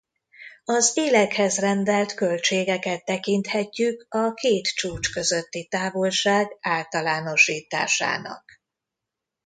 Az élekhez rendelt költségeket tekinthetjük a két csúcs közötti távolság általánosításának.